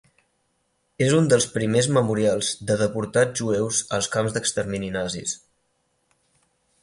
És un dels primers memorials de deportats jueus als camps d'extermini nazis.